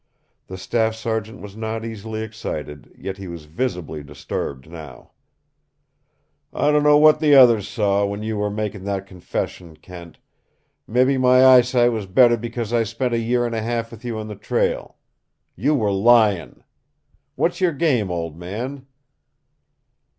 The staff sergeant was not easily excited, yet he was visibly disturbed now. "I don't know what the others saw, when you were making that confession, Kent. Mebby my eyesight was better because I spent a year and a half with you on the trail. You were lying. What's your game, old man?"